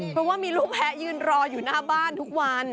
เพราะว่ามีลูกแพ้ยืนรออยู่หน้าบ้านทุกวัน